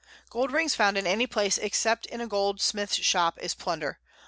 ] _Gold Rings found in any Place, except in a Gold smith's Shop, is Plunder.